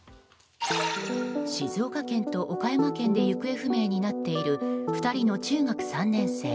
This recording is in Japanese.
静岡県と岡山県で行方不明になっている２人の中学３年生。